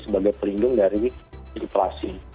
sebagai pelindung dari inflasi